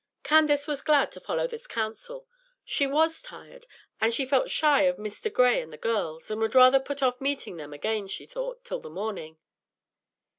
Candace was glad to follow this counsel. She was tired, and she felt shy of Mr. Gray and the girls, and would rather put off meeting them again, she thought, till the morning.